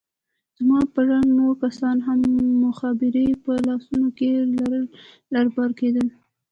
زما په رنګ نور کسان هم مخابرې په لاسو کښې لر بر کېدل.